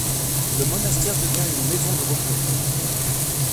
Le monastère devient une maison de repos.